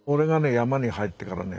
山に入ってからね